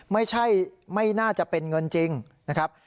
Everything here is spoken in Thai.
ไม่น่าจะเป็นเงินจริงนะครับ